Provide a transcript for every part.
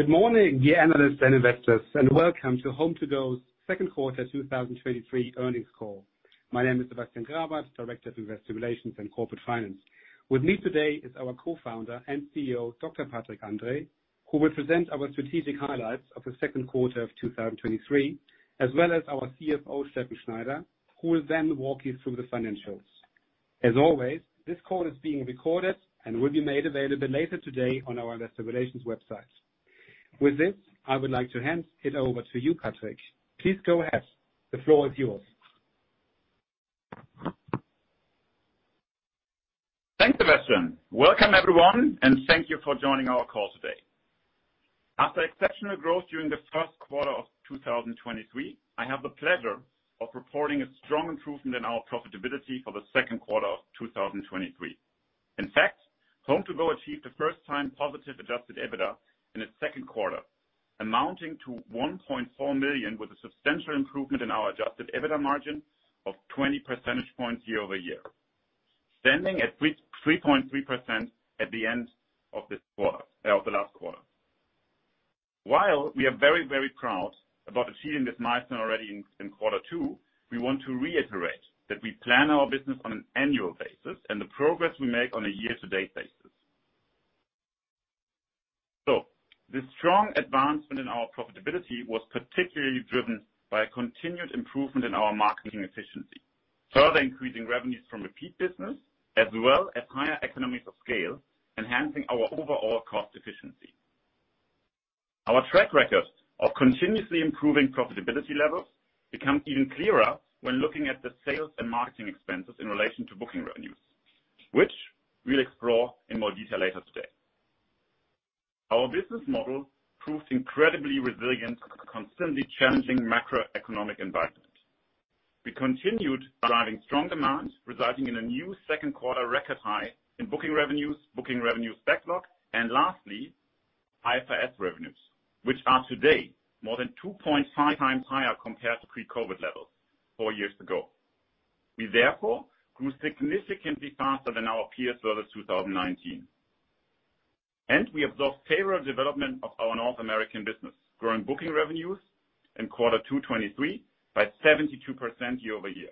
Good morning, dear analysts and investors, and welcome to HomeToGo's second quarter 2023 earnings call. My name is Sebastian Grabert, Director of Investor Relations and Corporate Finance. With me today is our Co-founder and CEO, Dr. Patrick Andrae, who will present our strategic highlights of the second quarter of 2023, as well as our CFO, Steffen Schneider, who will then walk you through the financials. As always, this call is being recorded and will be made available later today on our investor relations website. With this, I would like to hand it over to you, Patrick. Please go ahead. The floor is yours. Thanks, Sebastian. Welcome, everyone, and thank you for joining our call today. After exceptional growth during the first quarter of 2023, I have the pleasure of reporting a strong improvement in our profitability for the second quarter of 2023. In fact, HomeToGo achieved the first time positive Adjusted EBITDA in its second quarter, amounting to 1.4 million, with a substantial improvement in our Adjusted EBITDA margin of 20 percentage points year-over-year, standing at 3.3% at the end of this quarter of the last quarter. While we are very, very proud about achieving this milestone already in, in quarter two, we want to reiterate that we plan our business on an annual basis and the progress we make on a year-to-date basis. This strong advancement in our profitability was particularly driven by a continued improvement in our marketing efficiency, further increasing revenues from repeat business, as well as higher economies of scale, enhancing our overall cost efficiency. Our track record of continuously improving profitability levels becomes even clearer when looking at the sales and marketing expenses in relation to booking revenues, which we'll explore in more detail later today. Our business model proves incredibly resilient, constantly challenging macroeconomic environment. We continued driving strong demand, resulting in a new second quarter record high in booking revenues, booking revenues backlog, and lastly, IFRS revenues, which are today more than 2.5x higher compared to pre-COVID levels four years ago. We therefore grew significantly faster than our peers over 2019. We absorbed favorable development of our North American business, growing booking revenues in Q2 2023 by 72% year-over-year.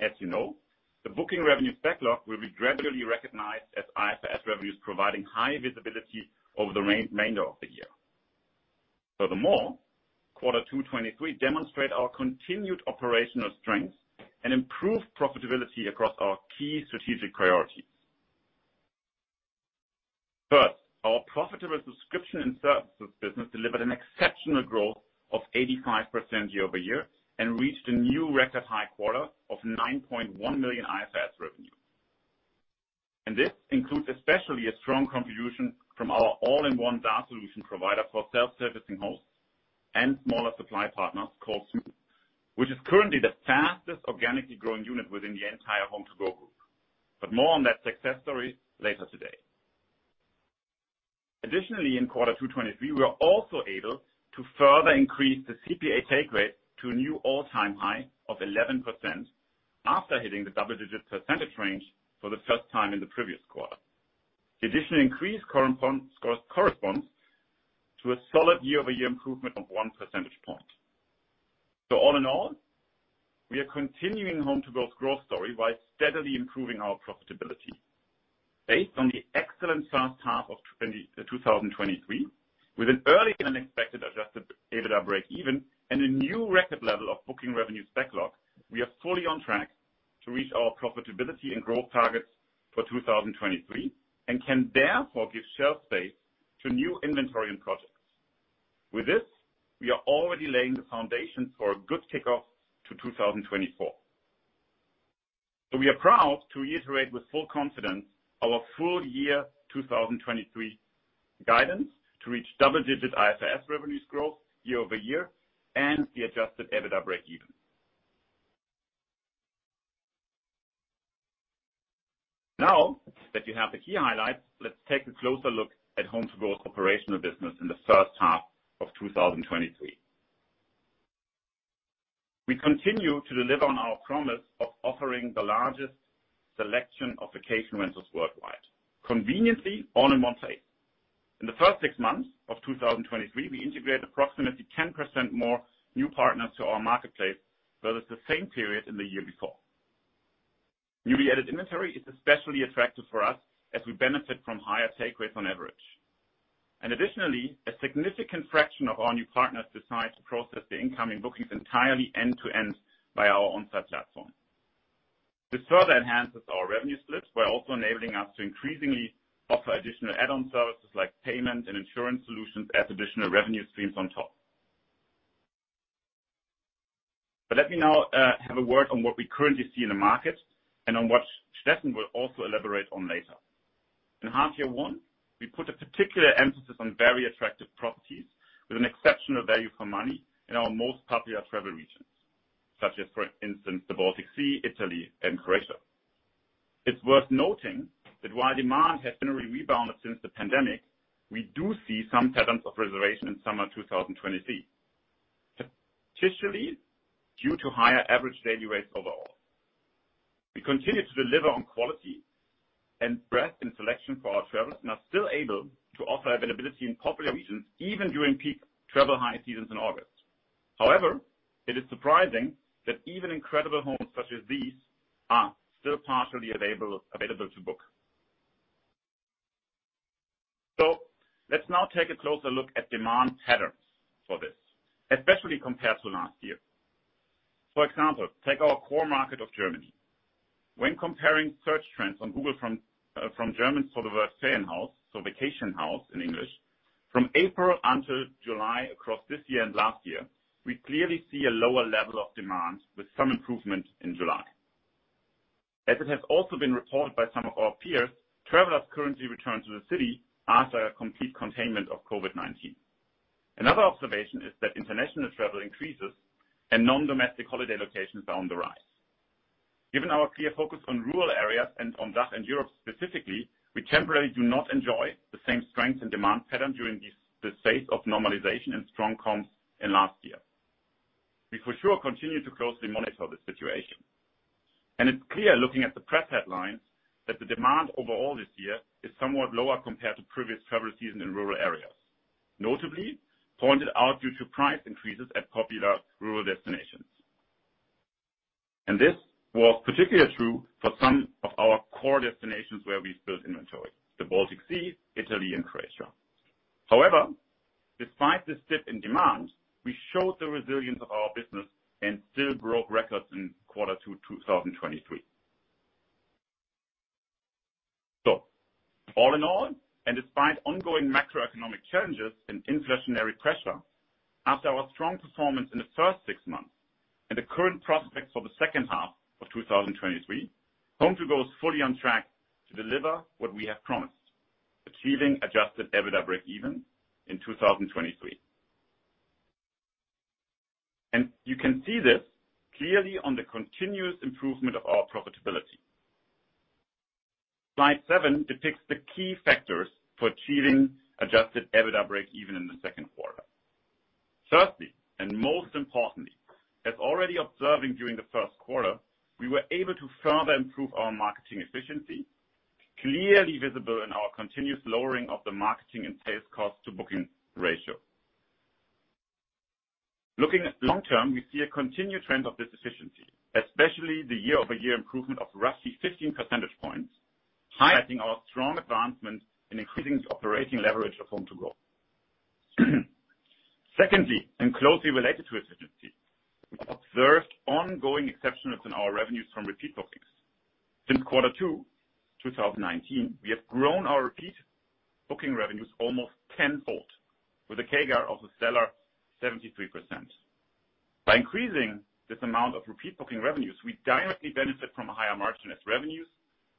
As you know, the booking revenue backlog will be gradually recognized as IFRS revenues, providing high visibility over the remainder of the year. Furthermore, Q2 2023 demonstrate our continued operational strength and improve profitability across our key strategic priorities. First, our profitable subscription and services business delivered an exceptional growth of 85% year-over-year and reached a new record high quarter of 9.1 million IFRS revenue. This includes especially a strong contribution from our all-in-one data solution provider for self-servicing hosts and smaller supply partners called Smoobu, which is currently the fastest organically growing unit within the entire HomeToGo group. More on that success story later today. Additionally, in Q2 2023, we were also able to further increase the CPA take rate to a new all-time high of 11% after hitting the double-digit percentage range for the first time in the previous quarter. The additional increased current corresponds to a solid year-over-year improvement of 1 percentage point. All in all, we are continuing HomeToGo's growth story by steadily improving our profitability. Based on the excellent first half of 2023, with an earlier than expected Adjusted EBITDA breakeven and a new record level of booking revenue backlog, we are fully on track to reach our profitability and growth targets for 2023 and can therefore give shelf space to new inventory and projects. With this, we are already laying the foundation for a good kickoff to 2024. We are proud to reiterate with full confidence our full year 2023 guidance to reach double-digit IFRS revenues growth year-over-year and the Adjusted EBITDA breakeven. Now that you have the key highlights, let's take a closer look at HomeToGo's operational business in the first half of 2023. We continue to deliver on our promise of offering the largest selection of vacation rentals worldwide, conveniently all in one place. In the first six months of 2023, we integrated approximately 10% more new partners to our marketplace, versus the same period in the year before. Newly added inventory is especially attractive for us as we benefit from higher take rates on average. Additionally, a significant fraction of our new partners decide to process the incoming bookings entirely end to end by our on-site platform. This further enhances our revenue splits by also enabling us to increasingly offer additional add-on services like payment and insurance solutions as additional revenue streams on top. Let me now have a word on what we currently see in the market and on what Steffen will also elaborate on later. In half year one, we put a particular emphasis on very attractive properties with an exceptional value for money in our most popular travel regions, such as, for instance, the Baltic Sea, Italy, and Croatia. It's worth noting that while demand has generally rebounded since the pandemic, we do see some patterns of reservation in summer 2023, particularly due to higher average daily rates overall. We continue to deliver on quality and breadth and selection for our travelers, and are still able to offer availability in popular regions, even during peak travel high seasons in August. It is surprising that even incredible homes such as these are still partially available, available to book. Let's now take a closer look at demand patterns for this, especially compared to last year. For example, take our core market of Germany. When comparing search trends on Google from German for the word Ferienhaus, so vacation house in English, from April until July across this year and last year, we clearly see a lower level of demand with some improvement in July. As it has also been reported by some of our peers, travelers currently return to the city after a complete containment of COVID-19. Another observation is that international travel increases and non-domestic holiday locations are on the rise. Given our clear focus on rural areas and on that in Europe specifically, we temporarily do not enjoy the same strength and demand pattern during this, this phase of normalization and strong comps in last year. We for sure continue to closely monitor the situation, and it's clear looking at the press headlines, that the demand overall this year is somewhat lower compared to previous travel season in rural areas, notably pointed out due to price increases at popular rural destinations. This was particularly true for some of our core destinations where we built inventory, the Baltic Sea, Italy, and Croatia. However, despite this dip in demand, we showed the resilience of our business and still broke records in quarter two, 2023. All in all, and despite ongoing macroeconomic challenges and inflationary pressure, after our strong performance in the first six months and the current prospects for the second half of 2023, HomeToGo is fully on track to deliver what we have promised, achieving Adjusted EBITDA breakeven in 2023. You can see this clearly on the continuous improvement of our profitability. Slide seven depicts the key factors for achieving Adjusted EBITDA breakeven in the second quarter. Firstly, and most importantly, as already observing during the first quarter, we were able to further improve our marketing efficiency, clearly visible in our continuous lowering of the marketing and sales cost to booking ratio. Looking at long term, we see a continued trend of this efficiency, especially the year-over-year improvement of roughly 15 percentage points, highlighting our strong advancement in increasing the operating leverage of HomeToGo. Secondly, closely related to efficiency, we observed ongoing exceptionalism in our revenues from repeat bookings. Since quarter 2, 2019, we have grown our repeat booking revenues almost tenfold with a CAGR of a stellar 73%. By increasing this amount of repeat booking revenues, we directly benefit from a higher margin as revenues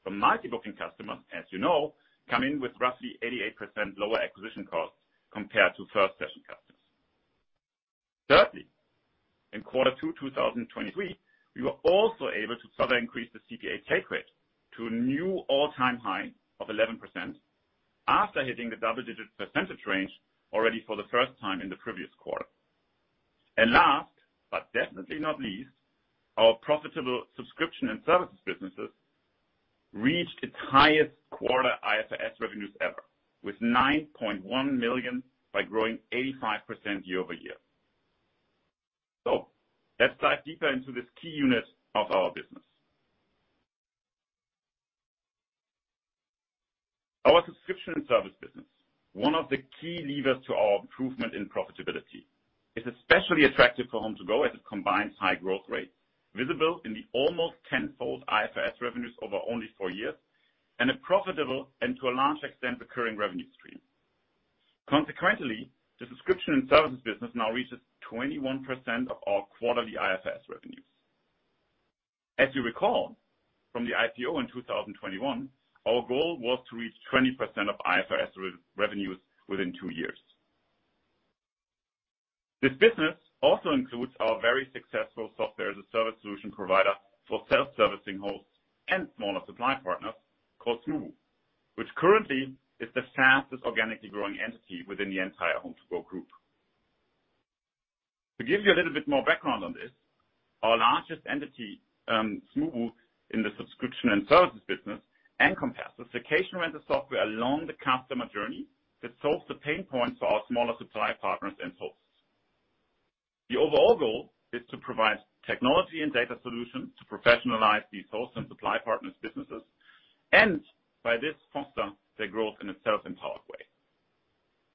from multi-booking customers, as you know, come in with roughly 88% lower acquisition costs compared to first-session customers. Thirdly, in quarter 2, 2023, we were also able to further increase the CPA take rate to a new all-time high of 11% after hitting the double-digit percentage range already for the first time in the previous quarter. Last, but definitely not least, our profitable subscription and services businesses reached its highest quarter IFRS revenues ever, with 9.1 million by growing 85% year-over-year. Let's dive deeper into this key unit of our business. Our subscription and service business, one of the key levers to our improvement in profitability, is especially attractive for HomeToGo as it combines high growth rates visible in the almost tenfold IFRS revenues over only four years, and a profitable and to a large extent, recurring revenue stream. Consequently, the subscription and services business now reaches 21% of our quarterly IFRS revenues. As you recall, from the IPO in 2021, our goal was to reach 20% of IFRS revenues within two years. This business also includes our very successful software-as-a-service solution provider for self-servicing hosts and smaller supply partners called Smoobu, which currently is the fastest organically growing entity within the entire HomeToGo group. To give you a little bit more background on this, our largest entity, Smoobu, in the subscription and services business, encompasses vacation rental software along the customer journey that solves the pain points for our smaller supply partners and hosts. The overall goal is to provide technology and data solutions to professionalize these hosts and supply partners' businesses, and by this, foster their growth in a self-empowered way.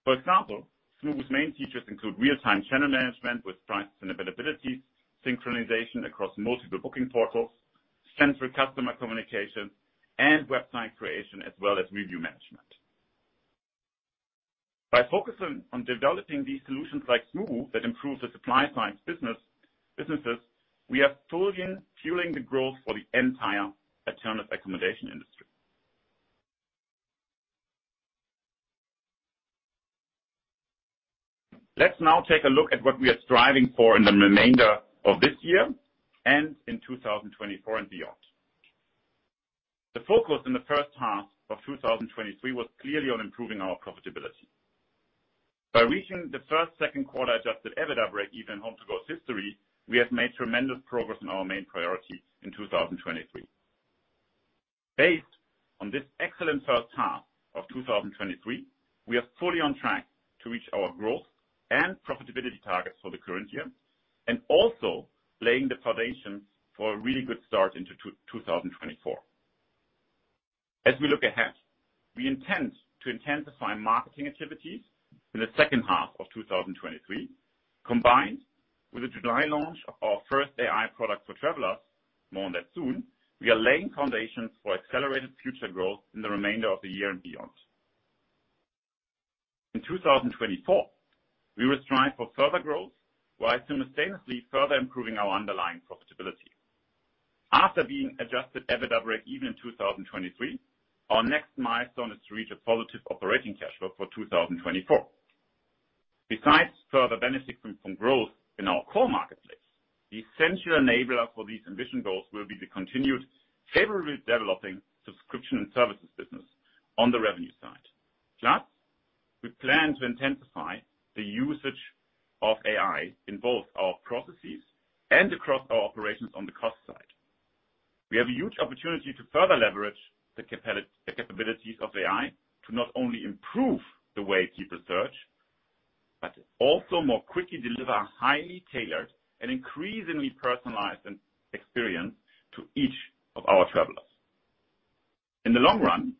For example, Smoobu's main features include real-time channel management with prices and availability, synchronization across multiple booking portals, central customer communication, and website creation, as well as review management. By focusing on developing these solutions like Smoobu, that improve the supply side business, we are fueling the growth for the entire alternative accommodation industry. Let's now take a look at what we are striving for in the remainder of this year and in 2024 and beyond. The focus in the first half of 2023 was clearly on improving our profitability. By reaching the 1st, 2nd quarter Adjusted EBITDA breakeven HomeToGo history, we have made tremendous progress in our main priorities in 2023. Based on this excellent first half of 2023, we are fully on track to reach our growth and profitability targets for the current year, and also laying the foundation for a really good start into 2024. As we look ahead, we intend to intensify marketing activities in the second half of 2023, combined with the July launch of our first AI product for travelers. More on that soon. We are laying foundations for accelerated future growth in the remainder of the year and beyond. In 2024, we will strive for further growth, while simultaneously further improving our underlying profitability. After being Adjusted EBITDA breakeven in 2023, our next milestone is to reach a positive operating cash flow for 2024. Besides further benefiting from growth in our core marketplace, the essential enabler for these ambition goals will be the continued favorably developing subscription and services business on the revenue side. Plus, we plan to intensify the usage of AI in both our processes and across our operations on the cost side. We have a huge opportunity to further leverage the capabilities of AI to not only improve the way people search, but also more quickly deliver highly tailored and increasingly personalized experience to each of our travelers. In the long run,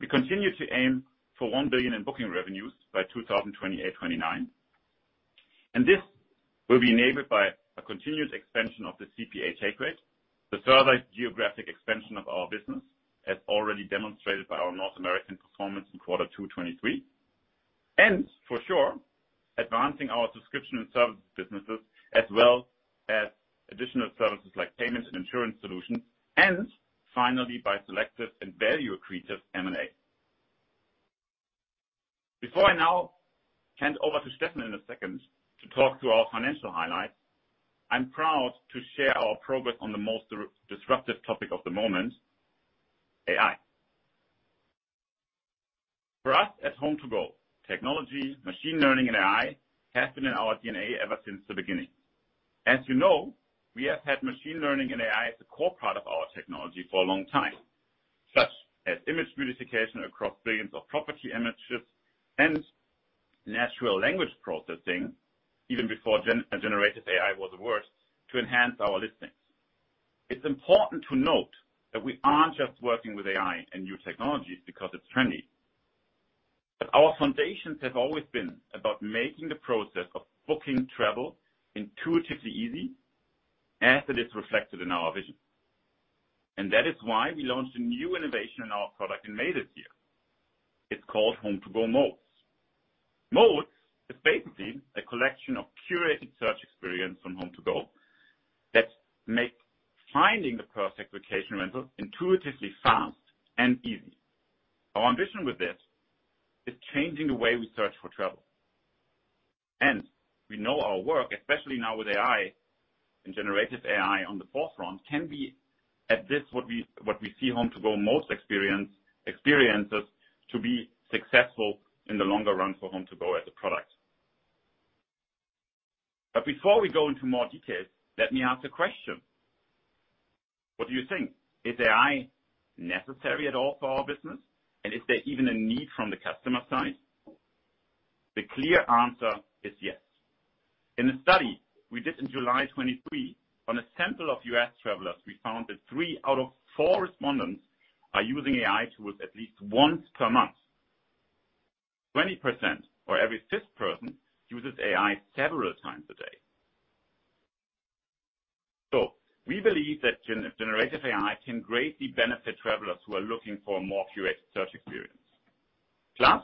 we continue to aim for 1 billion in booking revenues by 2028-2029. This will be enabled by a continuous expansion of the CPA take rate, the further geographic expansion of our business, as already demonstrated by our North American performance in Q2 2023, and for sure, advancing our subscription and services businesses, as well as additional services like payments and insurance solutions, and finally, by selective and value-accretive M&A. Before I now hand over to Stefan in a second to talk to our financial highlights, I'm proud to share our progress on the most disruptive topic of the moment: AI. For us, at HomeToGo, technology, machine learning, and AI has been in our DNA ever since the beginning. As you know, we have had machine learning and AI as a core part of our technology for a long time, such as image beautification across billions of property images and natural language processing, even before Generative AI was a word, to enhance our listings. It's important to note that we aren't just working with AI and new technologies because it's trendy, but our foundations have always been about making the process of booking travel intuitively easy as it is reflected in our vision. That is why we launched a new innovation in our product in May this year. It's called HomeToGo Modes. Modes is basically a collection of curated search experience from HomeToGo that make finding the perfect vacation rental intuitively fast and easy. Our ambition with this is changing the way we search for travel. We know our work, especially now with AI and Generative AI on the forefront, can be at this, what we see HomeToGo most experience, experiences to be successful in the longer run for HomeToGo as a product. Before we go into more details, let me ask a question: What do you think? Is AI necessary at all for our business? Is there even a need from the customer side? The clear answer is yes. In a study we did in July 2023, on a sample of US travelers, we found that three out of four respondents are using AI tools at least once per month. 20%, or every fifth person, uses AI several times a day. We believe that Generative AI can greatly benefit travelers who are looking for a more curated search experience. Plus,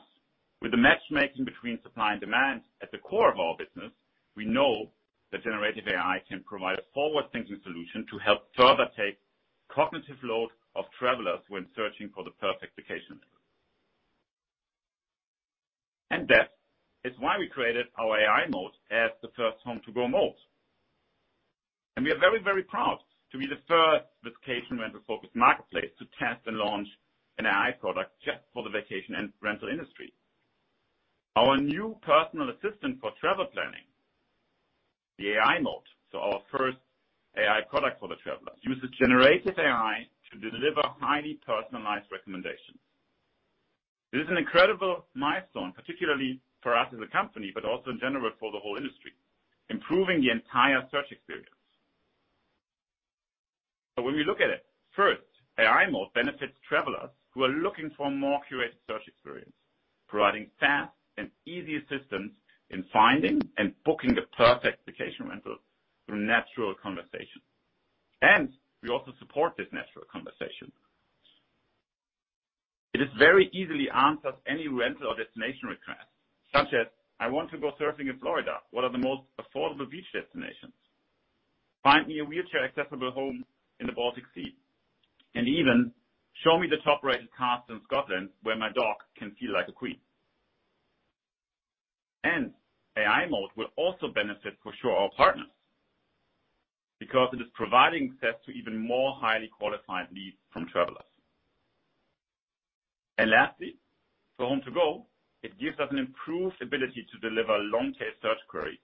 with the matchmaking between supply and demand at the core of our business, we know that Generative AI can provide a forward-thinking solution to help further take cognitive load of travelers when searching for the perfect vacation. That is why we created our AI Mode as the first HomeToGo Mode. We are very, very proud to be the first vacation rental-focused marketplace to test and launch an AI product just for the vacation and rental industry. Our new personal assistant for travel planning, the AI Mode, so our first AI product for the travelers, uses Generative AI to deliver highly personalized recommendations. It is an incredible milestone, particularly for us as a company, but also in general for the whole industry, improving the entire search experience. When we look at it, first, AI Mode benefits travelers who are looking for a more curated search experience, providing fast and easy assistance in finding and booking the perfect vacation rental through natural conversation. We also support this natural conversation. It is very easily answers any rental or destination request, such as, "I want to go surfing in Florida. What are the most affordable beach destinations? Find me a wheelchair-accessible home in the Baltic Sea," and even, "Show me the top-rated castles in Scotland, where my dog can feel like a queen."... AI Mode will also benefit for sure our partners, because it is providing access to even more highly qualified leads from travelers. Lastly, for HomeToGo, it gives us an improved ability to deliver long-tail search query,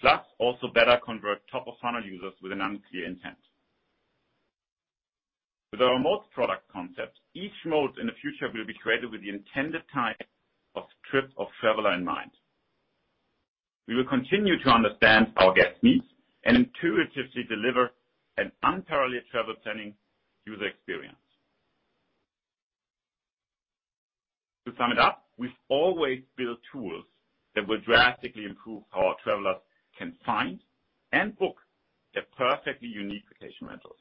plus also better convert top-of-funnel users with an unclear intent. With our most product concepts, each mode in the future will be created with the intended type of trip of traveler in mind. We will continue to understand our guests' needs and intuitively deliver an unparalleled travel planning user experience. To sum it up, we've always built tools that will drastically improve how our travelers can find and book their perfectly unique vacation rentals.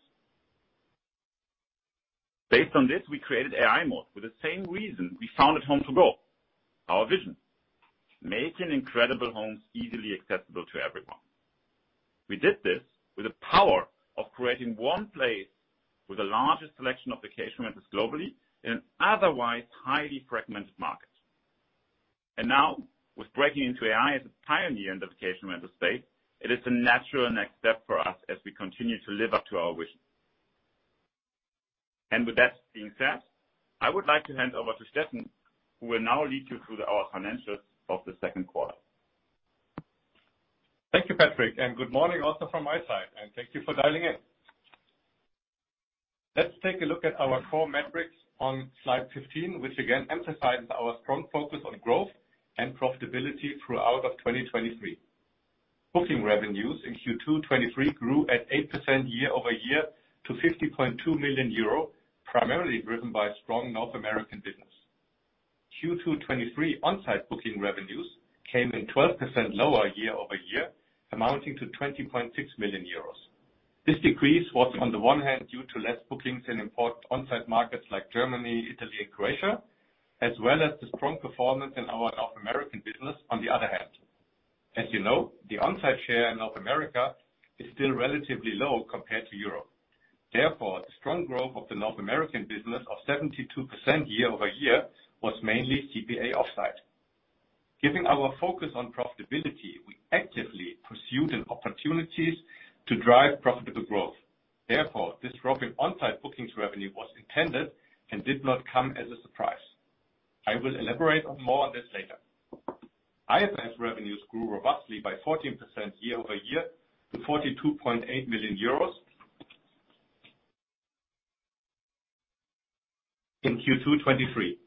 Based on this, we created AI Mode for the same reason we founded HomeToGo. Our vision: making incredible homes easily accessible to everyone. We did this with the power of creating one place with the largest selection of vacation rentals globally in an otherwise highly fragmented market. Now, with breaking into AI as a pioneer in the vacation rental space, it is a natural next step for us as we continue to live up to our vision. With that being said, I would like to hand over to Steffen, who will now lead you through our financials of the second quarter. Thank you, Patrick, and good morning also from my side, and thank you for dialing in. Let's take a look at our core metrics on slide 15, which again emphasizes our strong focus on growth and profitability throughout 2023. Booking revenues in Q2 2023 grew at 8% year-over-year to 50.2 million euro, primarily driven by strong North American business. Q2 2023 on-site booking revenues came in 12% lower year-over-year, amounting to 20.6 million euros. This decrease was, on the one hand, due to less bookings in important on-site markets like Germany, Italy, and Croatia, as well as the strong performance in our North American business on the other hand. As you know, the on-site share in North America is still relatively low compared to Europe. Therefore, the strong growth of the North American business of 72% year-over-year was mainly CPA off-site. Given our focus on profitability, we actively pursued in opportunities to drive profitable growth. Therefore, this drop in on-site bookings revenue was intended and did not come as a surprise. I will elaborate more on this later. IFRS revenues grew robustly by 14% year-over-year to EUR 42.8 million in Q2 2023,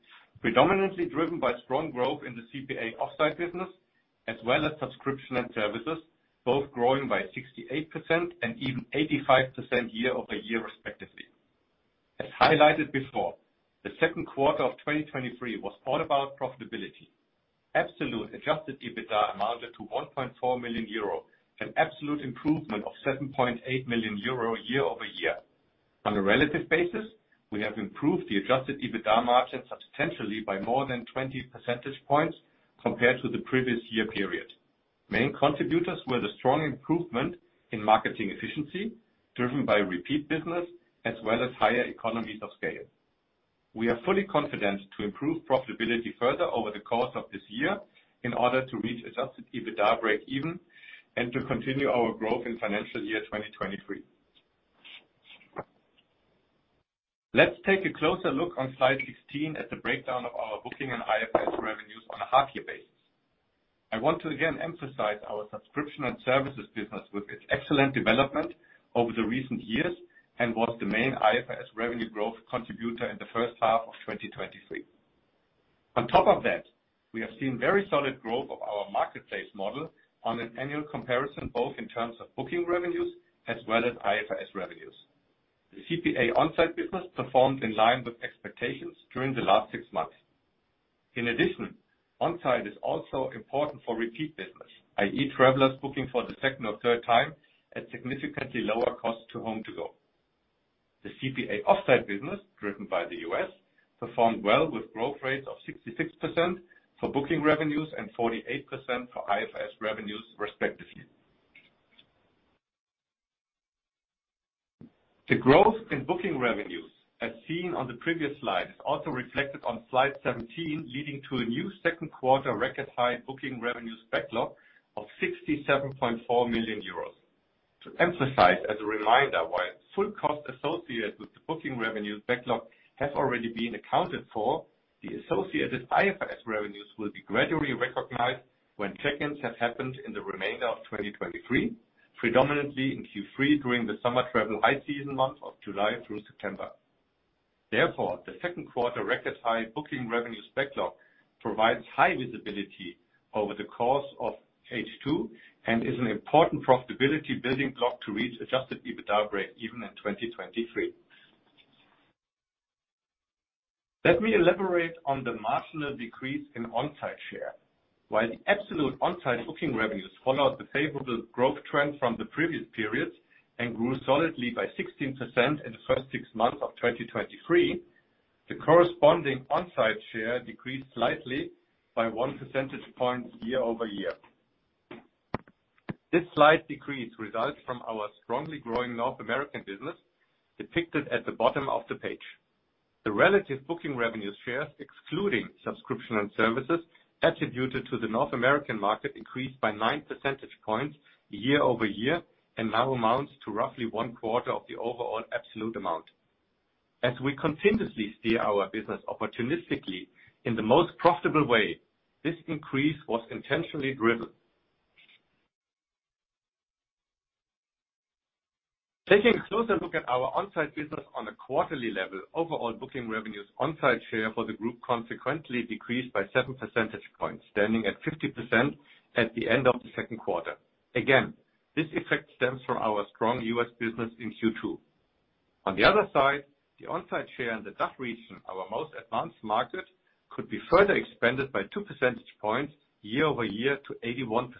predominantly driven by strong growth in the CPA off-site business, as well as subscription and services, both growing by 68% and even 85% year-over-year, respectively. As highlighted before, the second quarter of 2023 was all about profitability. Absolute Adjusted EBITDA amounted to 1.4 million euro, an absolute improvement of 7.8 million euro year-over-year. On a relative basis, we have improved the Adjusted EBITDA margin substantially by more than 20 percentage points compared to the previous year period. Main contributors were the strong improvement in marketing efficiency, driven by repeat business, as well as higher economies of scale. We are fully confident to improve profitability further over the course of this year in order to reach Adjusted EBITDA break-even and to continue our growth in financial year 2023. Let's take a closer look on slide 16 at the breakdown of our booking and IFRS revenues on a half-year basis. I want to again emphasize our subscription and services business with its excellent development over the recent years and was the main IFRS revenue growth contributor in the first half of 2023. On top of that, we have seen very solid growth of our marketplace model on an annual comparison, both in terms of booking revenues as well as IFRS revenues. The CPA on-site business performed in line with expectations during the last six months. In addition, on-site is also important for repeat business, i.e., travelers booking for the second or third time at significantly lower cost to HomeToGo. The CPA off-site business, driven by the U.S., performed well with growth rates of 66% for booking revenues and 48% for IFRS revenues, respectively. The growth in booking revenues, as seen on the previous slide, is also reflected on slide 17, leading to a new second quarter record-high booking revenues backlog of 67.4 million euros. To emphasize, as a reminder, while full cost associated with the booking revenues backlog has already been accounted for, the associated IFRS revenues will be gradually recognized when check-ins have happened in the remainder of 2023, predominantly in Q3, during the summer travel high season months of July through September. Therefore, the second quarter record-high booking revenues backlog provides high visibility over the course of H2 and is an important profitability building block to reach Adjusted EBITDA break-even in 2023. Let me elaborate on the marginal decrease in on-site share. While the absolute on-site booking revenues followed the favorable growth trend from the previous periods and grew solidly by 16% in the first six months of 2023, the corresponding on-site share decreased slightly by 1 percentage point year-over-year.... This slight decrease results from our strongly growing North America business, depicted at the bottom of the page. The relative booking revenue shares, excluding subscription and services, attributed to the North America market, increased by 9 percentage points year-over-year, and now amounts to roughly one quarter of the overall absolute amount. As we continuously steer our business opportunistically in the most profitable way, this increase was intentionally driven. Taking a closer look at our on-site business on a quarterly level, overall booking revenues on-site share for the group consequently decreased by 7 percentage points, standing at 50% at the end of the second quarter. Again, this effect stems from our strong US business in Q2. On the other side, the on-site share in the DACH region, our most advanced market, could be further expanded by 2 percentage points year-over-year to 81%.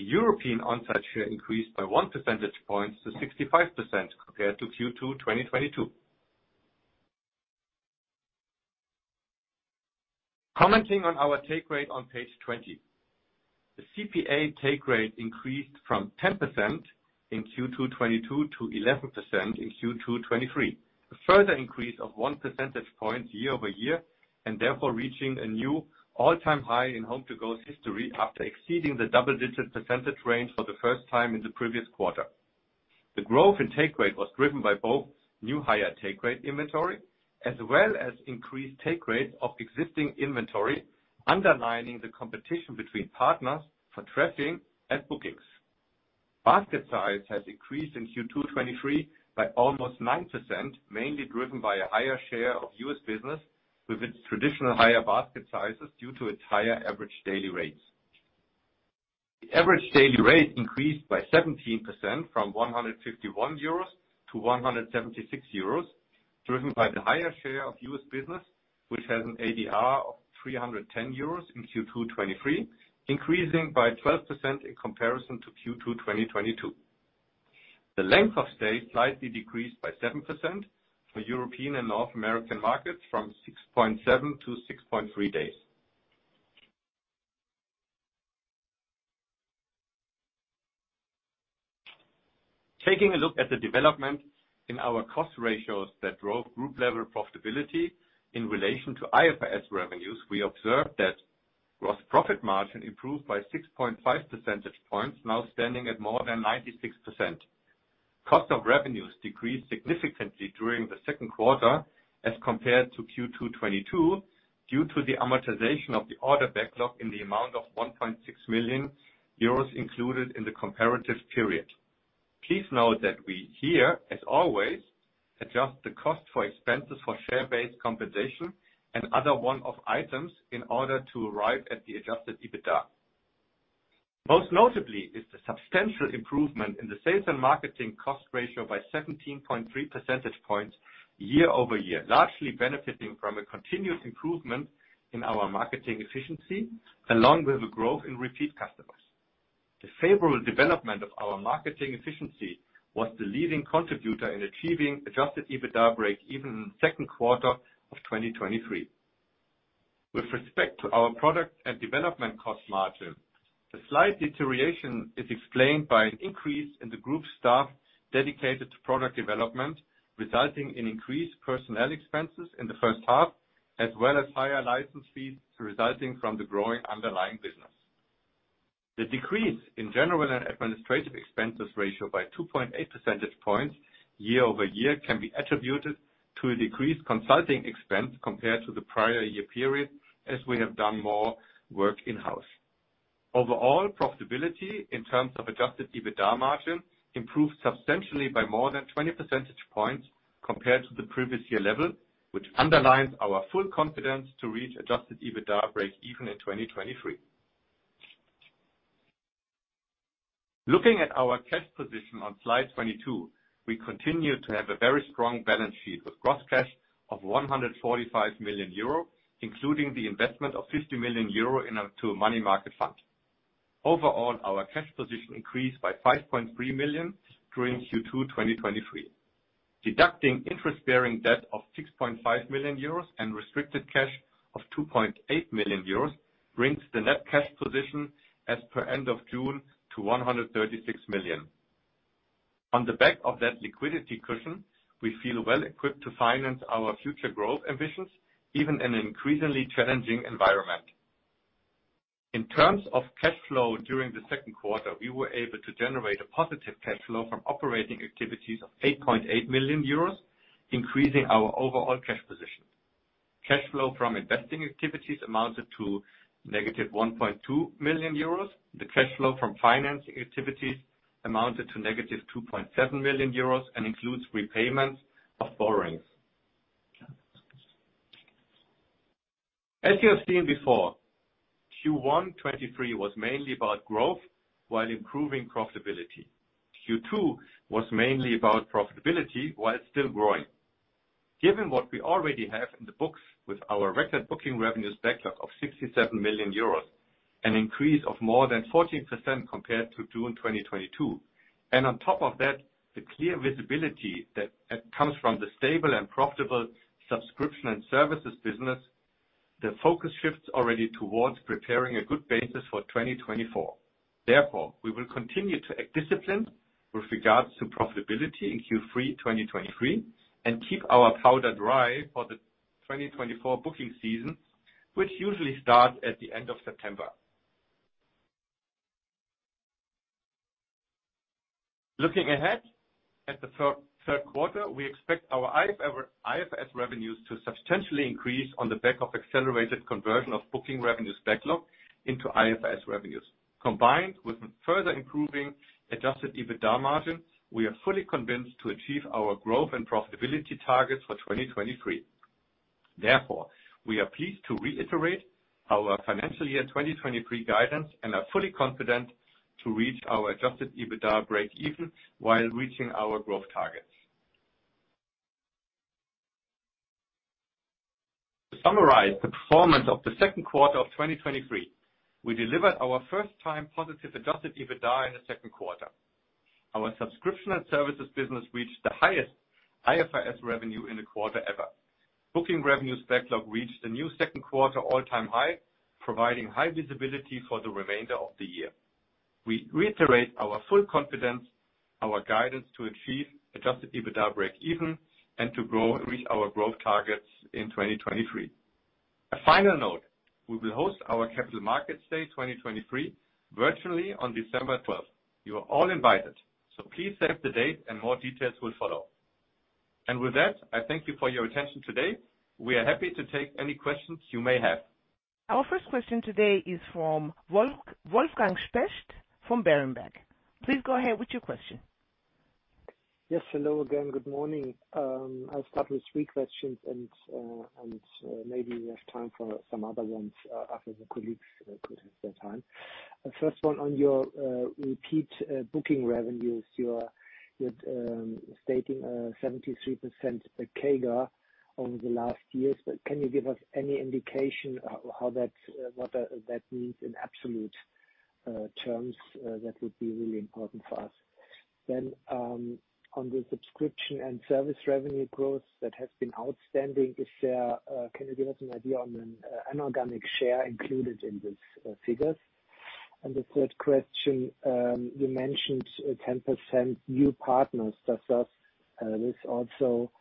The European on-site share increased by 1 percentage point to 65% compared to Q2 2022. Commenting on our take rate on page 20. The CPA take rate increased from 10% in Q2 2022 to 11% in Q2 2023. A further increase of 1 percentage point year-over-year, and therefore reaching a new all-time high in HomeToGo's history after exceeding the double-digit percentage range for the first time in the previous quarter. The growth in take rate was driven by both new higher take rate inventory, as well as increased take rates of existing inventory, underlining the competition between partners for trafficking and bookings. Basket size has increased in Q2 2023 by almost 9%, mainly driven by a higher share of U.S. business with its traditional higher basket sizes due to its higher average daily rates. The average daily rate increased by 17% from 151 euros to 176 euros, driven by the higher share of US business, which has an ADR of 310 euros in Q2 2023, increasing by 12% in comparison to Q2 2022. The length of stay slightly decreased by 7% for European and North American markets from 6.7 to 6.3 days. Taking a look at the development in our cost ratios that drove group-level profitability in relation to IFRS revenues, we observed that gross profit margin improved by 6.5 percentage points, now standing at more than 96%. Cost of revenues decreased significantly during the second quarter as compared to Q2 2022, due to the amortization of the order backlog in the amount of 1.6 million euros included in the comparative period. Please note that we here, as always, adjust the cost for expenses for share-based compensation and other one-off items in order to arrive at the Adjusted EBITDA. Most notably is the substantial improvement in the sales and marketing cost ratio by 17.3 percentage points year-over-year, largely benefiting from a continuous improvement in our marketing efficiency, along with a growth in repeat customers. The favorable development of our marketing efficiency was the leading contributor in achieving Adjusted EBITDA break-even in the second quarter of 2023. With respect to our product and development cost margin, the slight deterioration is explained by an increase in the group staff dedicated to product development, resulting in increased personnel expenses in the first half, as well as higher license fees resulting from the growing underlying business. The decrease in general and administrative expenses ratio by 2.8 percentage points year-over-year can be attributed to a decreased consulting expense compared to the prior year period, as we have done more work in-house. Overall, profitability in terms of Adjusted EBITDA margin improved substantially by more than 20 percentage points compared to the previous year level, which underlines our full confidence to reach Adjusted EBITDA break-even in 2023. Looking at our cash position on slide 22, we continue to have a very strong balance sheet with gross cash of 145 million euro, including the investment of 50 million euro into a money market fund. Overall, our cash position increased by 5.3 million during Q2, 2023. Deducting interest-bearing debt of 6.5 million euros and restricted cash of 2.8 million euros brings the net cash position as per end of June to 136 million. On the back of that liquidity cushion, we feel well equipped to finance our future growth ambitions, even in an increasingly challenging environment. In terms of cash flow during the second quarter, we were able to generate a positive cash flow from operating activities of 8.8 million euros, increasing our overall cash position. Cash flow from investing activities amounted to negative 1.2 million euros. The cash flow from financing activities amounted to negative 2.7 million euros and includes repayments of borrowings. As you have seen before, Q1 2023 was mainly about growth while improving profitability. Q2 was mainly about profitability while still growing. Given what we already have in the books with our record booking revenues backlog of 67 million euros, an increase of more than 14% compared to June 2022, and on top of that, the clear visibility that comes from the stable and profitable subscription and services business, the focus shifts already towards preparing a good basis for 2024. Therefore, we will continue to act disciplined with regards to profitability in Q3 2023, and keep our powder dry for the 2024 booking season, which usually starts at the end of September. Looking ahead at the 3rd quarter, we expect our IFRS revenues to substantially increase on the back of accelerated conversion of booking revenues backlog into IFRS revenues. Combined with further improving Adjusted EBITDA margin, we are fully convinced to achieve our growth and profitability targets for 2023. Therefore, we are pleased to reiterate our financial year 2023 guidance and are fully confident to reach our Adjusted EBITDA break even while reaching our growth targets. To summarize the performance of the second quarter of 2023, we delivered our first time positive Adjusted EBITDA in the second quarter. Our subscription and services business reached the highest IFRS revenue in the quarter ever. Booking revenues backlog reached a new second quarter all-time high, providing high visibility for the remainder of the year. We reiterate our full confidence, our guidance to achieve Adjusted EBITDA break even and to reach our growth targets in 2023. A final note: we will host our Capital Markets Day 2023 virtually on December 12th. You are all invited, please save the date and more details will follow. With that, I thank you for your attention today. We are happy to take any questions you may have. Our first question today is from Wolfgang Specht from Berenberg. Please go ahead with your question. Yes, hello again. Good morning. I'll start with three questions and maybe we have time for some other ones after the colleagues put their time. The first one on your repeat booking revenues. You are stating 73% CAGR over the last years, but can you give us any indication how what that means in absolute terms? That would be really important for us. On the subscription and service revenue growth, that has been outstanding. Is there, can you give us an idea on an inorganic share included in these figures? The third question, you mentioned 10% new partners. Does this also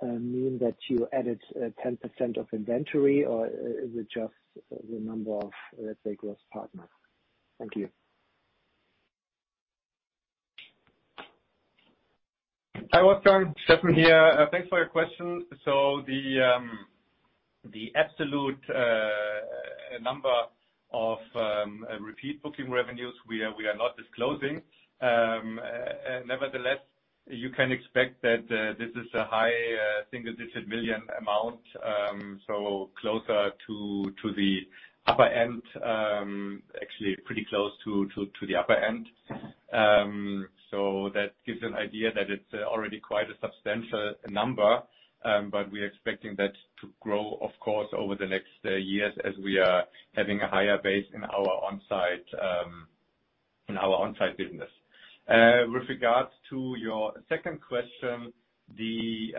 mean that you added 10% of inventory, or is it just the number of, let's say, growth partners? Thank you. Hi, Wolfgang. Steffen here. Thanks for your question. The absolute number of repeat booking revenues, we are not disclosing. Nevertheless, you can expect that this is a high single-digit million EUR amount, so closer to the upper end, actually pretty close to the upper end. That gives an idea that it's already quite a substantial number, but we are expecting that to grow, of course, over the next years as we are having a higher base in our on-site, in our on-site business. With regards to your second question, the,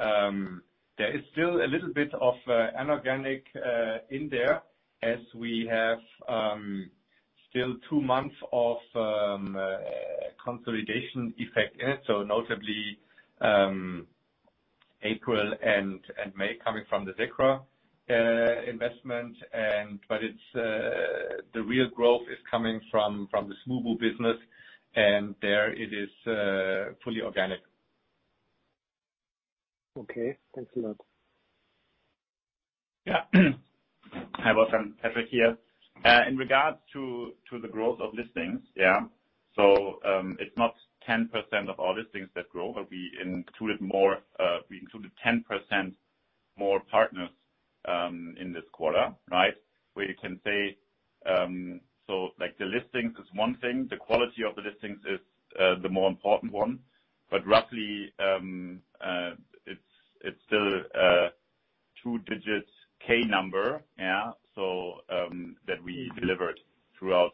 there is still a little bit of inorganic in there as we have still two months of consolidation effect in it, so notably, April and May coming from the SECRA investment. It's the real growth is coming from, from the Smoobu business, and there it is fully organic. Okay. Thanks a lot. Yeah. Hi, Wolfgang. Patrick here. In regards to, to the growth of listings, yeah, it's not 10% of all listings that grow, but we included more, we included 10% more partners in this quarter, right? Where you can say, like, the listings is one thing, the quality of the listings is the more important one. Roughly, it's, it's still, a two-digit K number, yeah, that we delivered throughout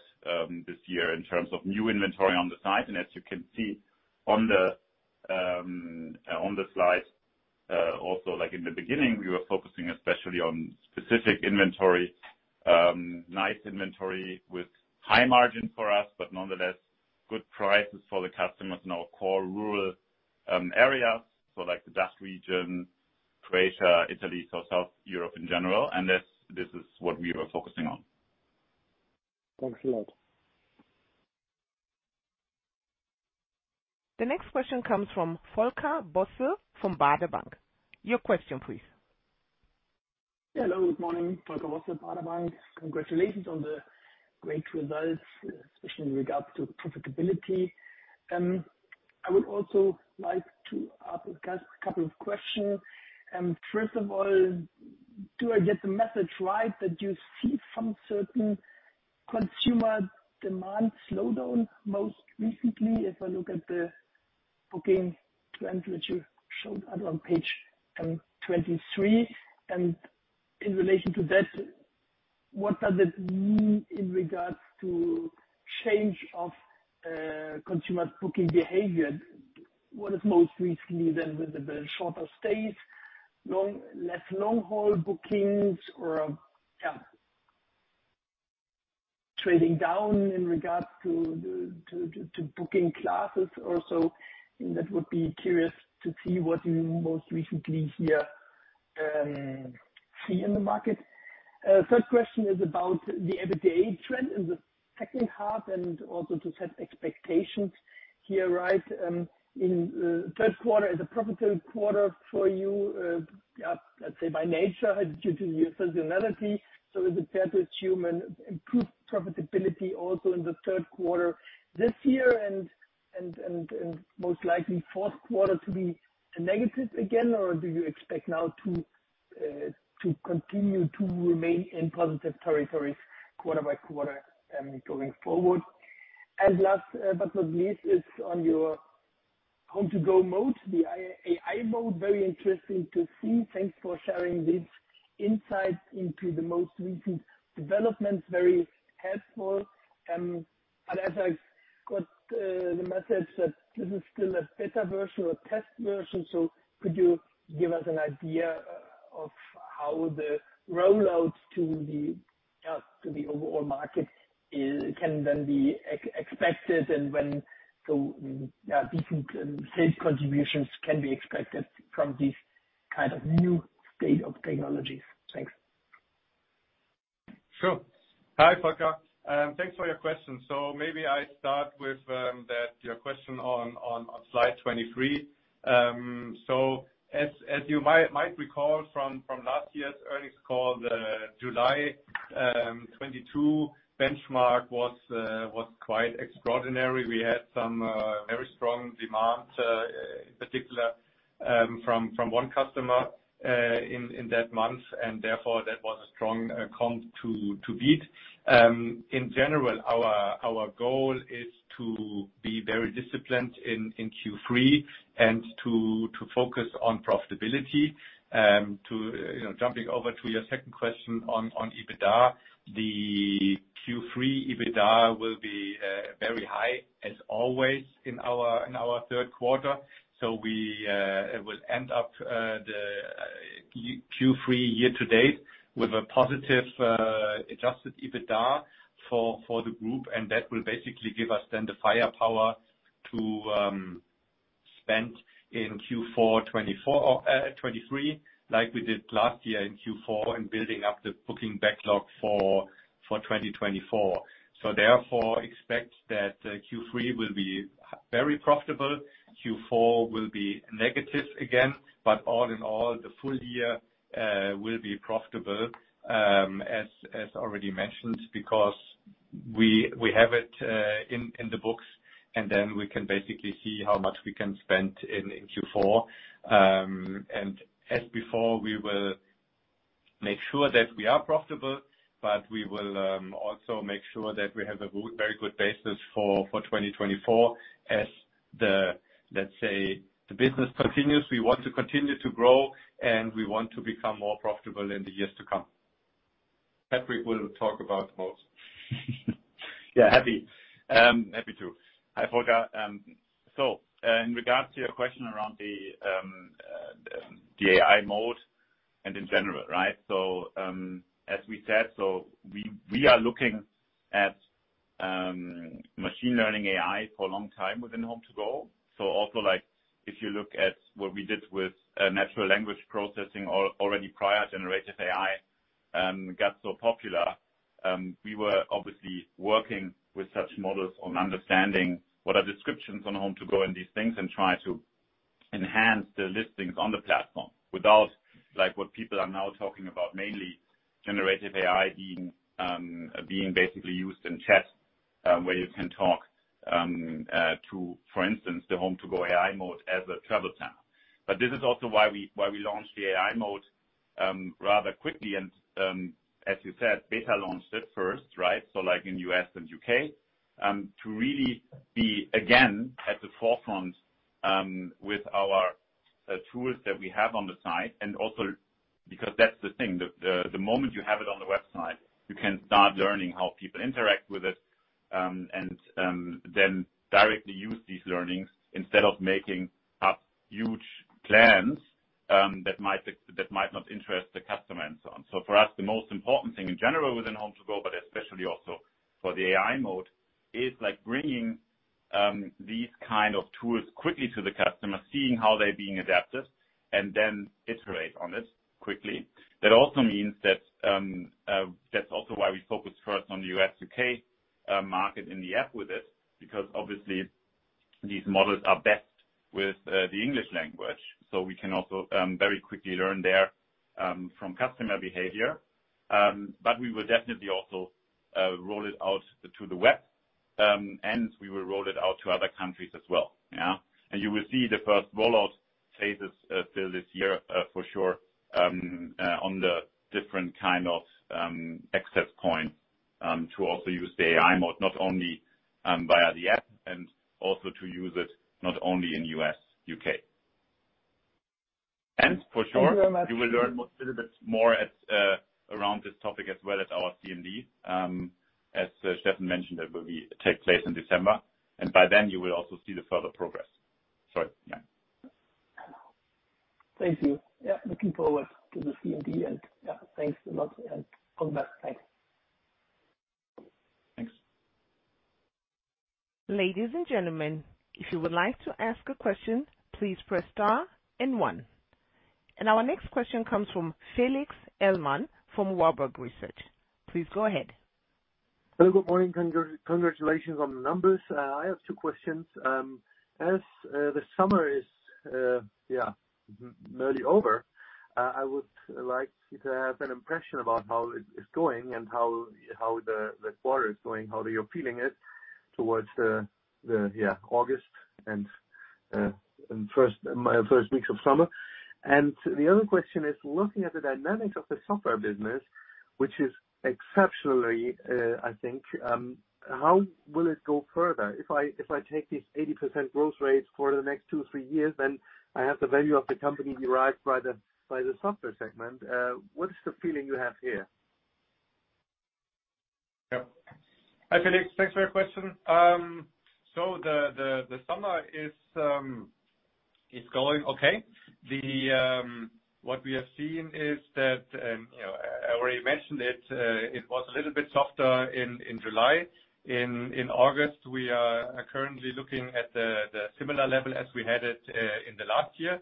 this year in terms of new inventory on the site. As you can see on the on the slide, also, like in the beginning, we were focusing especially on specific inventory, nice inventory with high margin for us, but nonetheless, good prices for the customers in our core rural areas, so like the DACH region, Croatia, Italy, so South Europe in general. That's, this is what we were focusing on. Thanks a lot. The next question comes from Volker Bosse, from Baader Bank. Your question, please. Hello, good morning, Volker Bosse, Baader Bank. Congratulations on the great results, especially in regards to profitability. I would also like to ask a couple of questions. First of all, do I get the message right that you see some certain consumer demand slowdown most recently, if I look at the booking trends that you showed on page 23? In relation to that, what does it mean in regards to change of consumer booking behavior? What is most recently then with the shorter stays, long, less long haul bookings or, yeah, trading down in regards to booking classes or so? That would be curious to see what you most recently here see in the market. Third question is about the EBITDA trend in the second half and also to set expectations here, right? In third quarter is a profitable quarter for you, let's say, by nature, due to your seasonality. Is it fair to assume an improved profitability also in the third quarter this year and most likely fourth quarter to be negative again? Do you expect now to continue to remain in positive territories quarter by quarter going forward? Last but not least, is on your HomeToGo mode, the AI Mode, very interesting to see. Thanks for sharing these insights into the most recent developments. Very helpful. As I got the message that this is still a beta version, a test version, could you give us an idea of how the rollout to the overall market can then be expected, and when the decent sales contributions can be expected from this kind of new state of technologies? Thanks. Sure. Hi, Volker. Thanks for your question. Maybe I start with that, your question on, on, on slide 23. As, as you might, might recall from, from last year's earnings call, the July 2022 benchmark was quite extraordinary. We had some very strong demand in particular from one customer in that month, and therefore that was a strong comp to beat. In general, our goal is to be very disciplined in Q3 and to focus on profitability. To, you know, jumping over to your second question on EBITDA, the Q3 EBITDA will be very high, as always in our, in our third quarter. We, it will end up, the Q3 year-to-date with a positive, Adjusted EBITDA for, for the group, and that will basically give us then the firepower to spend in Q4 2023, like we did last year in Q4, in building up the booking backlog for, for 2024. Therefore, expect that Q3 will be very profitable. Q4 will be negative again, but all in all, the full year will be profitable, as, as already mentioned, because we, we have it, in, in the books, and then we can basically see how much we can spend in, in Q4. As before, we will make sure that we are profitable, but we will also make sure that we have a good, very good basis for, for 2024 as the, let's say, the business continues. We want to continue to grow, and we want to become more profitable in the years to come. Patrick will talk about more. Yeah, happy. Happy to. Hi, Volker. In regards to your question around the AI Mode and in general, right? As we said, so we, we are looking at machine learning AI for a long time within HomeToGo. Also, like if you look at what we did with natural language processing already prior Generative AI got so popular, we were obviously working with such models on understanding what are descriptions on HomeToGo and these things, and try to enhance the listings on the platform without like what people are now talking about, mainly Generative AI being basically used in chat, where you can talk to, for instance, the HomeToGo AI Mode as a travel tab. This is also why we, why we launched the AI Mode rather quickly and, as you said, beta launched it first, right. Like in U.S. and U.K., to really be, again, at the forefront, with our tools that we have on the site, and also because that's the thing, the, the, the moment you have it on the website, you can start learning how people interact with it, and then directly use these learnings instead of making up huge plans that might not interest the customer and so on. For us, the most important thing in general within HomeToGo, but especially also for the AI Mode, is like bringing these kind of tools quickly to the customer, seeing how they're being adapted, and then iterate on this quickly. That also means that, that's also why we focus first on the U.S., U.K. market in the app with it, because obviously these models are best with the English language, so we can also very quickly learn there from customer behavior. We will definitely also roll it out to the West, and we will roll it out to other countries as well. You will see the first rollout phases still this year for sure on the different kind of access point to also use the AI Mode, not only via the app, and also to use it not only in U.S., U.K. For sure, you will learn a little bit more around this topic as well at our CMD. As Steffen mentioned, that will take place in December, and by then you will also see the further progress. Yeah. Thank you. Yeah, looking forward to the CMD, and, yeah, thanks a lot, and all the best. Thanks. Thanks. Ladies and gentlemen, if you would like to ask a question, please press Star and One. Our next question comes from Felix Ellmann from Warburg Research. Please go ahead. Hello, good morning. Congratulations on the numbers. I have two questions. As the summer is nearly over, I would like to have an impression about how it is going and how, how the, the quarter is going, how you're feeling it towards the August and first, my first weeks of summer. The other question is, looking at the dynamics of the software business, which is exceptionally, I think, how will it go further? If I, if I take this 80% growth rate for the next two, three years, then I have the value of the company derived by the, by the software segment. What is the feeling you have here? Yeah. Hi, Felix. Thanks for your question. The, the, the summer is going okay. The what we have seen is that, you know, I, I already mentioned it, it was a little bit softer in, in July. In, in August, we are currently looking at the, the similar level as we had it in the last year.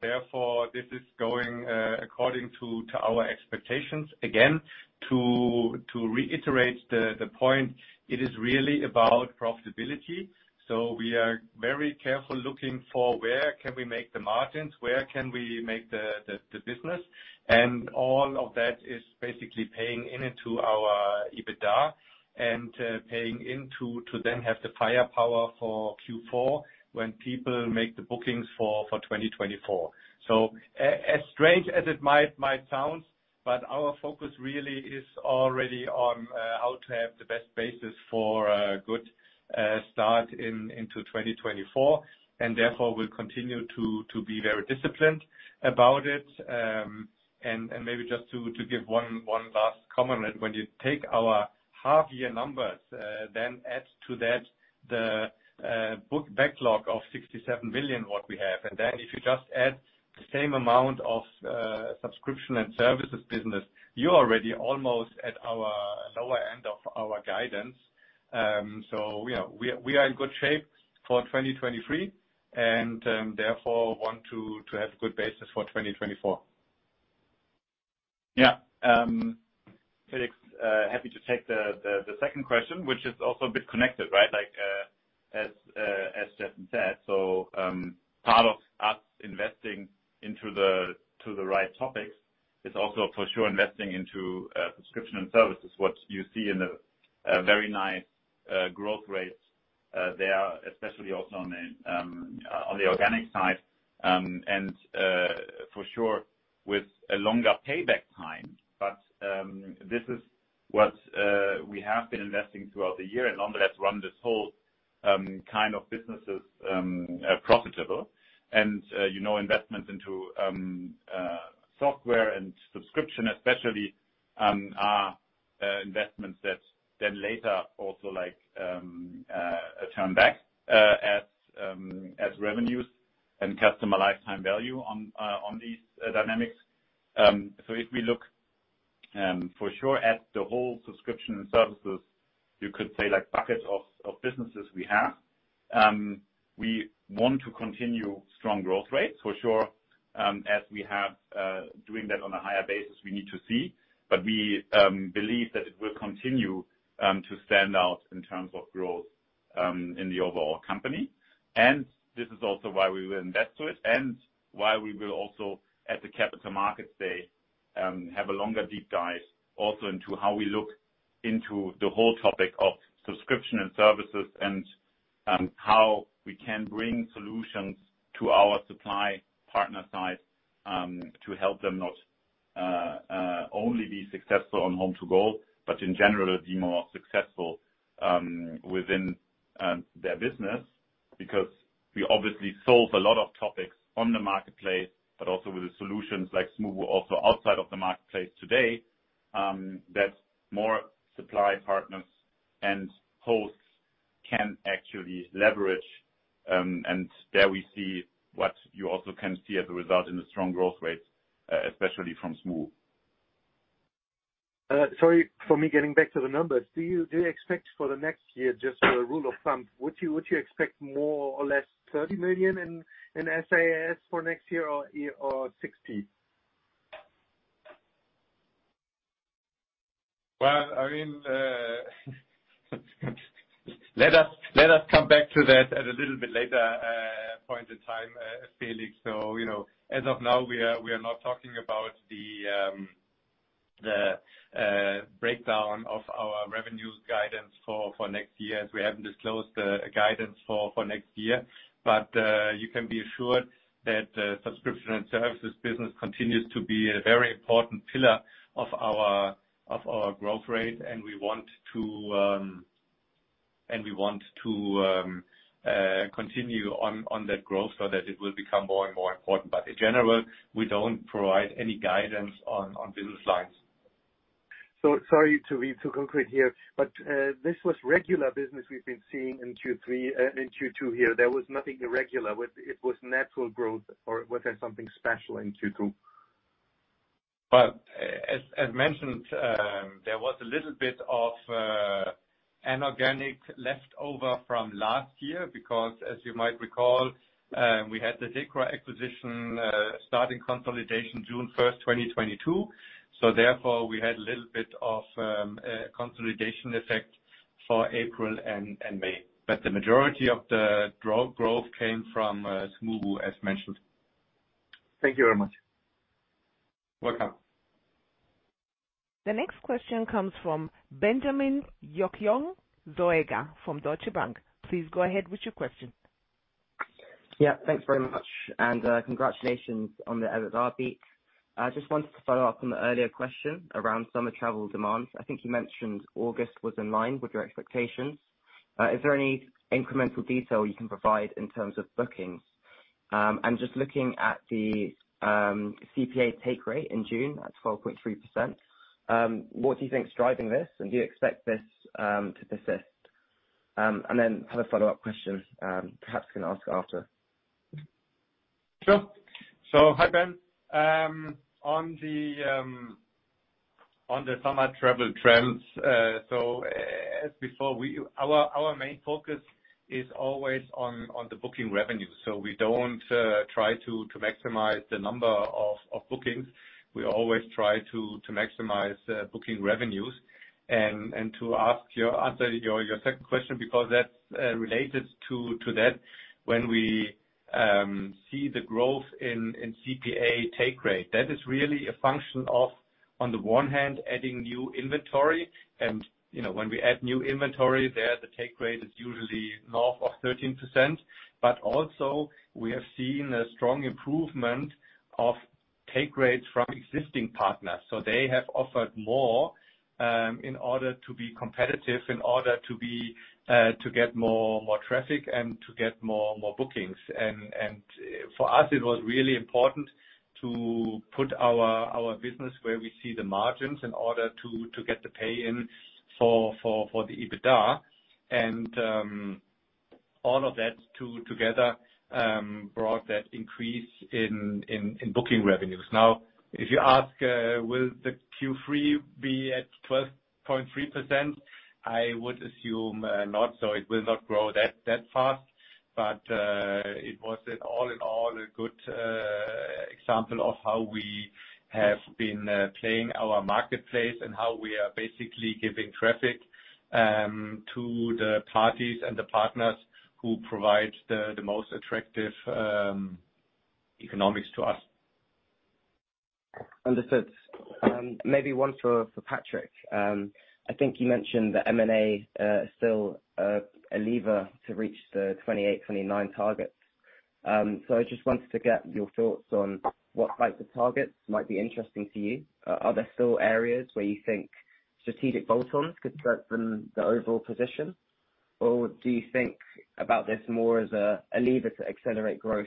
Therefore, this is going according to our expectations. Again, to reiterate the, the point, it is really about profitability. We are very careful looking for where can we make the margins, where can we make the, the, the business, and all of that is basically paying into our EBITDA and paying into then have the firepower for Q4 when people make the bookings for, for 2024. As strange as it might sound, but our focus really is already on how to have the best basis for a good start in, into 2024, and therefore we'll continue to be very disciplined about it. And maybe just to give one last comment, when you take our half-year numbers, then add to that the booking revenues backlog of 67 million, what we have, and then if you just add the same amount of subscription and services business, you're already almost at our lower end of our guidance. Yeah, we are, we are in good shape for 2023, and therefore want to have good basis for 2024. Yeah, Felix, happy to take the, the, the second question, which is also a bit connected, right? Like, as Justin said. Part of us investing into the, to the right topics is also for sure investing into subscription and services, what you see in the very nice growth rates there, especially also on the organic side, and for sure, with a longer payback time. This is what we have been investing throughout the year, and on that run this whole kind of businesses profitable. You know, investments into software and subscription especially, are investments that then later also like turn back at as revenues and customer lifetime value on these dynamics. If we look, for sure at the whole subscription and services, you could say like buckets of, of businesses we have, we want to continue strong growth rates for sure, as we have doing that on a higher basis, we need to see. But we believe that it will continue to stand out in terms of growth in the overall company. This is also why we will invest to it and why we will also, at the Capital Markets Day, have a longer deep dive also into how we look into the whole topic of subscription and services and how we can bring solutions to our supply partner side to help them not only be successful on HomeToGo, but in general, be more successful within their business. We obviously solve a lot of topics on the marketplace, but also with the solutions like Smoobu, also outside of the marketplace today, that more supply partners and hosts can actually leverage. There we see what you also can see as a result in the strong growth rates, especially from Smoobu. Sorry, for me, getting back to the numbers, do you, do you expect for the next year, just for a rule of thumb, would you, would you expect more or less 30 million in SaaS for next year or 60 million? Well, I mean, let us, let us come back to that at a little bit later point in time, Felix. So, you know, as of now, we are, we are not talking about the breakdown of our revenues guidance for, for next year, as we haven't disclosed the guidance for, for next year. You can be assured that subscription and services business continues to be a very important pillar of our growth rate, and we want to... and we want to continue on that growth so that it will become more and more important. In general, we don't provide any guidance on business lines. Sorry to be too concrete here, but this was regular business we've been seeing in Q3, in Q2 here. There was nothing irregular with it. It was natural growth, or was there something special in Q2? Well, as, as mentioned, there was a little bit of an organic leftover from last year because, as you might recall, we had the DanCenter acquisition, starting consolidation June 1, 2022. Therefore, we had a little bit of consolidation effect for April and, and May. The majority of the growth came from Smoobu, as mentioned. Thank you very much. Welcome. The next question comes from Benjamin Yokyong Zoega from Deutsche Bank. Please go ahead with your question. Yeah, thanks very much, and congratulations on the EBITDA beat. I just wanted to follow up on the earlier question around summer travel demands. I think you mentioned August was in line with your expectations. Is there any incremental detail you can provide in terms of bookings? Just looking at the CPA take rate in June at 12.3%, what do you think is driving this, and do you expect this to persist? I have a follow-up question, perhaps can ask after. Sure. Hi, Ben. On the on the summer travel trends, so as before, our, our main focus is always on, on the booking revenue, so we don't try to, to maximize the number of, of bookings. We always try to, to maximize booking revenues. To answer your, your second question because that's related to, to that. When we see the growth in, in CPA take rate, that is really a function of, on the one hand, adding new inventory. You know, when we add new inventory there, the take rate is usually north of 13%. Also we have seen a strong improvement of take rates from existing partners, so they have offered more, in order to be competitive, in order to be, to get more, more traffic and to get more, more bookings. For us, it was really important to put our, our business where we see the margins in order to, to get the pay-in for, for, for the EBITDA. All of that together brought that increase in, in, in booking revenues. If you ask, will the Q3 be at 12.3%? I would assume, not, so it will not grow that fast. it was an all in all a good example of how we have been playing our marketplace and how we are basically giving traffic to the parties and the partners who provide the most attractive economics to us. Understood. maybe one for, for Patrick. I think you mentioned that M&A, still, a lever to reach the 2028, 2029 targets. I just wanted to get your thoughts on what type of targets might be interesting to you. Are there still areas where you think strategic bolt-ons could strengthen the overall position? Or do you think about this more as a, a lever to accelerate growth,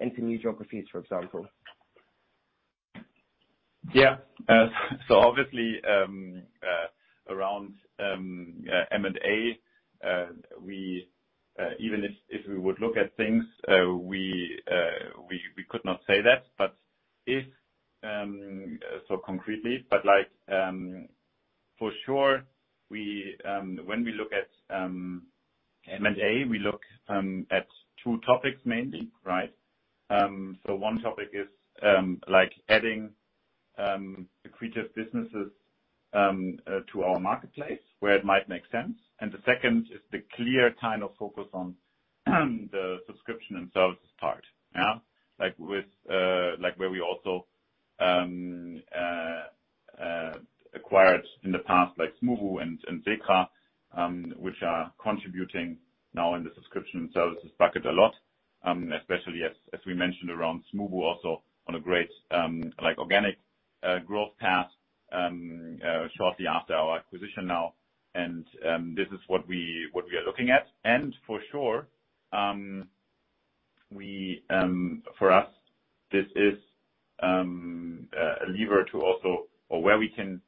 into new geographies, for example? Yeah. So obviously, around M&A, we, even if, if we would look at things, we, we, we could not say that, but if, so concretely but like, for sure, we, when we look at M&A, we look at two topics mainly, right? So one topic is like adding accretive businesses to our marketplace, where it might make sense. The second is the clear kind of focus on the subscription and services part. Yeah, like with, like where we also acquired in the past, like Smoobu and e-domizil, which are contributing now in the subscription and services bucket a lot, especially as, as we mentioned, around Smoobu, also on a great like organic growth path shortly after our acquisition now. This is what we, what we are looking at. For sure, we, for us, this is a lever to also or where we can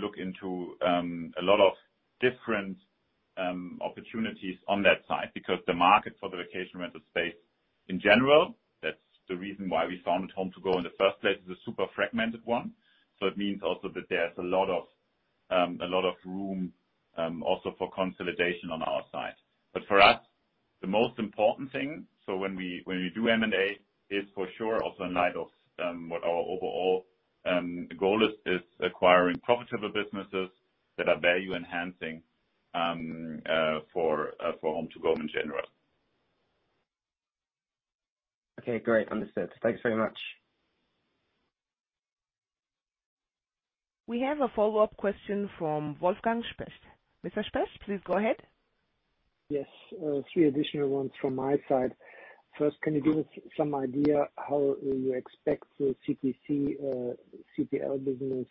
look into a lot of different opportunities on that side because the market for the vacation rental space in general, that's the reason why we found HomeToGo in the first place, is a super fragmented one. It means also that there's a lot of a lot of room also for consolidation on our side. For us, the most important thing, so when we, when we do M&A, is for sure, also in light of what our overall goal is, is acquiring profitable businesses that are value-enhancing for HomeToGo in general. Okay, great. Understood. Thanks very much. We have a follow-up question from Wolfgang Specht. Mr. Specht, please go ahead. Yes, three additional ones from my side. First, can you give us some idea how you expect the CPC, CPL business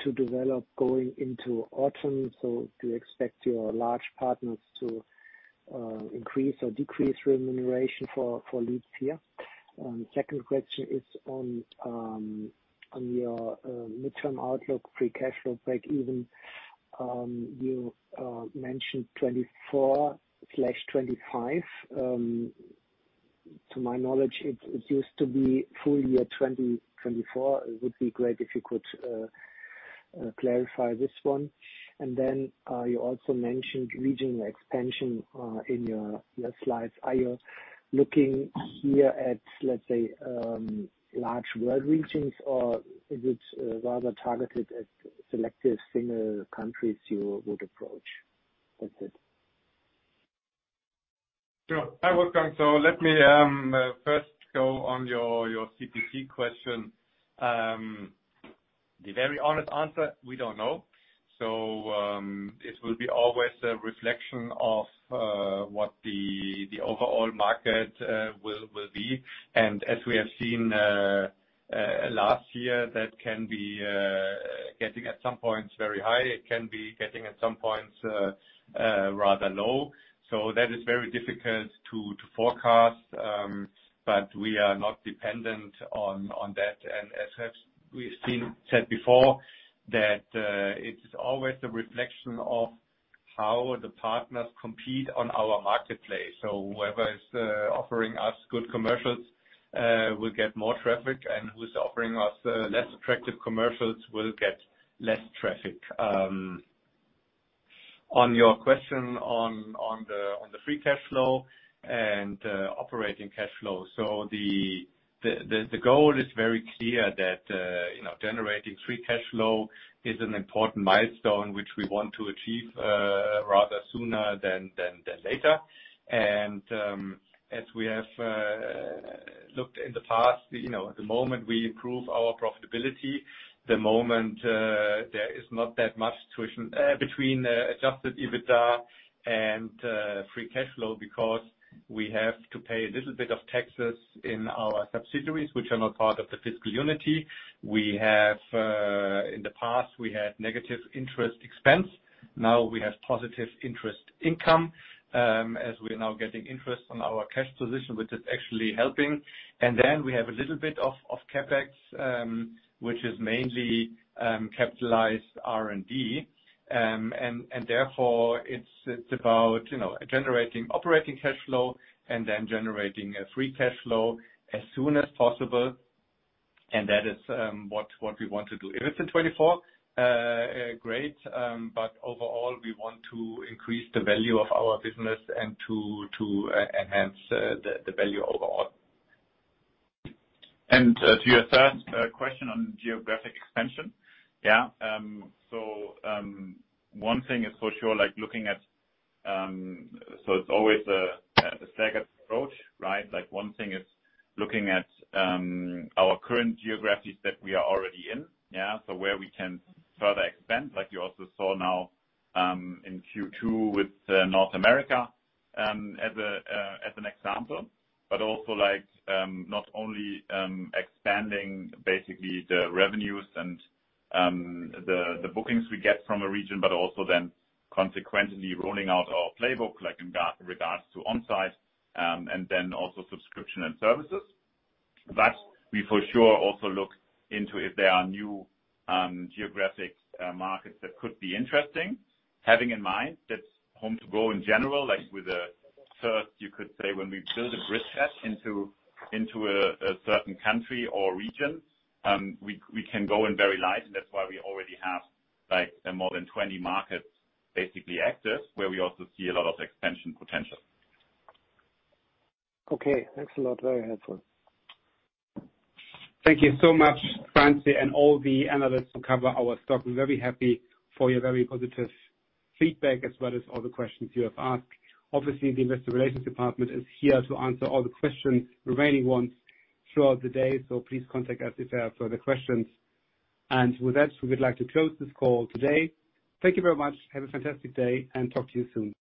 to develop going into autumn? Do you expect your large partners to increase or decrease remuneration for leads here? Second question is on your midterm outlook, free cash flow breakeven. You mentioned 2024/2025. To my knowledge, it used to be full year 2024. It would be great if you could clarify this one. You also mentioned regional expansion in your last slide. Are you looking here at, let's say, large world regions, or is it rather targeted at selective single countries you would approach? That's it. Sure. Hi, Wolfgang. Let me first go on your, your CPC question. The very honest answer, we don't know. It will be always a reflection of what the overall market will be. As we have seen last year, that can be getting at some points very high, it can be getting at some points rather low. That is very difficult to forecast, but we are not dependent on that. As have we've seen, said before, that it is always a reflection of how the partners compete on our marketplace. Whoever is offering us good commercials will get more traffic, and who's offering us less attractive commercials will get less traffic. On your question on, on the, on the free cash flow and operating cash flow. The, the, the goal is very clear that, you know, generating free cash flow is an important milestone, which we want to achieve rather sooner than, than, than later. As we have looked in the past, you know, the moment we improve our profitability, the moment there is not that much friction between Adjusted EBITDA and free cash flow, because we have to pay a little bit of taxes in our subsidiaries, which are not part of the fiscal unity. We have in the past, we had negative interest expense. Now we have positive interest income, as we are now getting interest on our cash position, which is actually helping. Then we have a little bit of, of CapEx, which is mainly, capitalized R&D. And therefore, it's, it's about, you know, generating operating cash flow and then generating a free cash flow as soon as possible. That is, what, what we want to do. If it's in 24, great, overall, we want to increase the value of our business and to enhance the value overall. To your first question on geographic expansion. Yeah, one thing is for sure, like looking at... It's always a staggered approach, right? Like, one thing is looking at our current geographies that we are already in. Yeah, where we can further expand, like you also saw now, in Q2 with North America as an example. Also, like, not only expanding basically the revenues and the bookings we get from a region, but also then consequently rolling out our playbook, like, in regards to on-site and then also subscription and services. We for sure also look into if there are new geographic markets that could be interesting, having in mind that HomeToGo in general, like with a first, you could say, when we build a bridgehead into, into a certain country or region, we can go in very light, and that's why we already have, like, more than 20 markets basically active, where we also see a lot of expansion potential. Okay, thanks a lot. Very helpful. Thank you so much, Franzi, and all the analysts who cover our stock. We're very happy for your very positive feedback, as well as all the questions you have asked. Obviously, the investor relations department is here to answer all the questions, remaining ones, throughout the day. Please contact us if you have further questions. With that, we would like to close this call today. Thank you very much. Have a fantastic day, and talk to you soon.